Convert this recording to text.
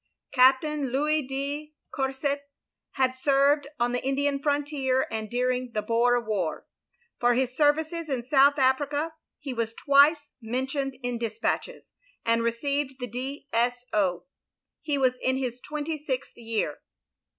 OF GROSVENOR SQUARE 305 ^* Captain Louis de C our set had served on the Indian frontier and during the Boer War, For his services in South Africa he was twice mentioned in dispatches, and received the DS.O, He was in his twenty sixth year.